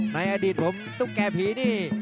ในอดีตผมตุ๊กแก่ผีนี่